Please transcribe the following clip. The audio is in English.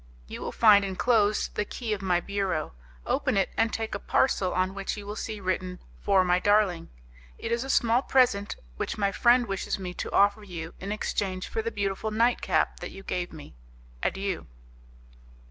You will find enclosed the key of my bureau. Open it, and take a parcel on which you will see written, 'For my darling.' It is a small present which my friend wishes me to offer you in exchange for the beautiful night cap that you gave me. Adieu."